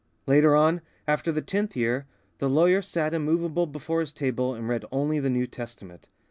Later on, after the tenth year, the lawyer sat immovable before his table and read only the New Testament.